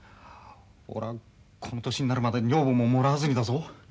俺はこの年になるまで女房ももらわずにだぞ。